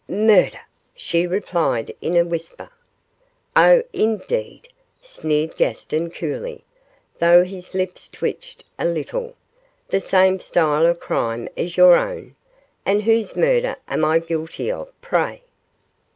'Murder,' she replied, in a whisper. 'Oh, indeed,' sneered Gaston, coolly, though his lips twitched a little, 'the same style of crime as your own? and whose murder am I guilty of, pray?